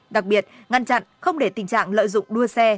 đặc biệt ngăn chặn không để tình trạng lợi dụng đua xe